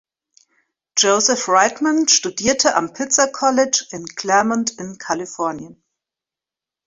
Joseph Reitman studierte am Pitzer College in Claremont in Kalifornien.